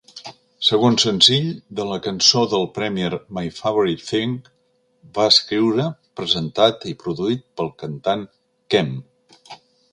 Segon senzill, de la cançó del Premiere "My Favorite Thing", va escriure, presentat i produït pel cantant, Kem.